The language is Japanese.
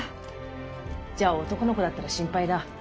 じゃ男の子だったら心配だ。